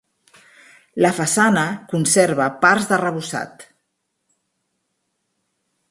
La façana conserva parts d'arrebossat.